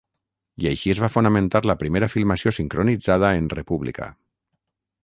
I així es va fonamentar la primera filmació sincronitzada en república.